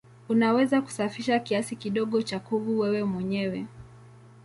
Unaweza kusafisha kiasi kidogo cha kuvu wewe mwenyewe.